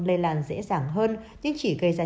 lây làn dễ dàng hơn nhưng chỉ gây ra